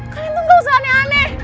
kalian tuh nggak usah aneh aneh